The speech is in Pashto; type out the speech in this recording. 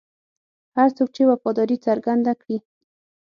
هر څوک چې وفاداري څرګنده کړي.